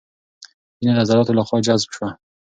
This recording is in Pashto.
وینه د عضلاتو له خوا جذب شوه.